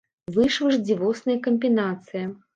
Выйшла ж дзівосная камбінацыя.